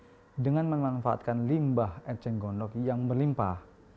empat m tiga dengan memanfaatkan limbah eceng gondok yang berlimpah